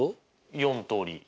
４通り。